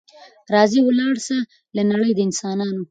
راځه ولاړ سه له نړۍ د انسانانو